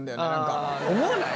思わない？